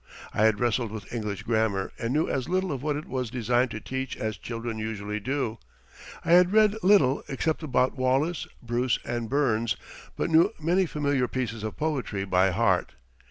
I had wrestled with English grammar, and knew as little of what it was designed to teach as children usually do. I had read little except about Wallace, Bruce, and Burns; but knew many familiar pieces of poetry by heart.